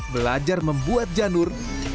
belajar membuat janur